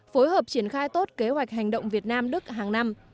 phối hợp triển khai tốt kế hoạch hành động việt nam đức hàng năm